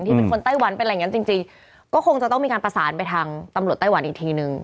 เป็นคนไต้หวันเป็นอะไรอย่างนั้นจริงจริงก็คงจะต้องมีการประสานไปทางตำรวจไต้หวันอีกทีนึง